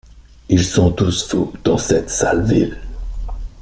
Ils sont tous fous dans cette sale ville.